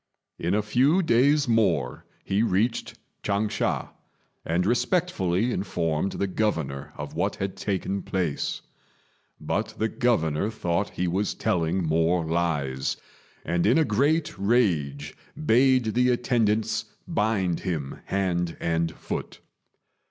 In a few days more he reached Ch'ang sha, and respectfully informed the Governor of what had taken place; but the Governor thought he was telling more lies, and in a great rage bade the attendants bind him hand and foot.